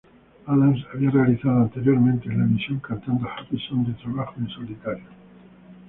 Adams había realizado anteriormente en la emisión, cantando "Happy Song de trabajo" en solitario.